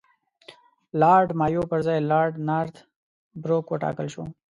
لارډ مایو پر ځای لارډ نارت بروک وټاکل شو.